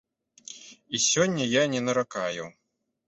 І сёння я не наракаю.